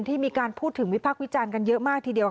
ที่มีการพูดถึงวิพักษ์วิจารณ์กันเยอะมากทีเดียว